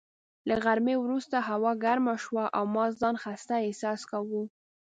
له غرمې وروسته هوا ګرمه شوه او ما ځان خسته احساس کاوه.